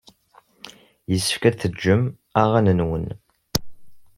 Yessefk ad tgem aɣan-nwen.